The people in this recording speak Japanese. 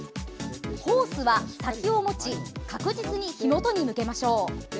ホースは先を持ち確実に火元に向けましょう。